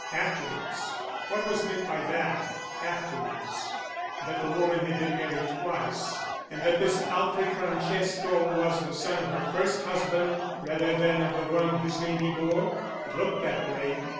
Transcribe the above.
_ Afterwards! What was meant by that afterwards? That the woman had been married twice, and that this Alfred Francesco was the son of her first husband rather than of the one whose name he bore? It looked that way.